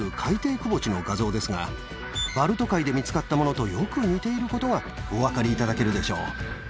バルト海で見つかったものとよく似ていることがお分かりいただけるでしょう。